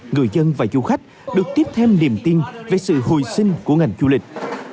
người dân và du khách được tiếp thêm niềm tin về sự hồi sinh của ngành du lịch